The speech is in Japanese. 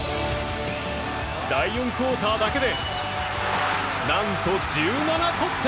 第４クオーターだけで何と１７得点！